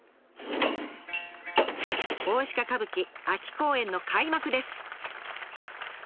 大鹿歌舞伎秋公演の開幕です。